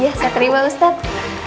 iya saya terima ustaz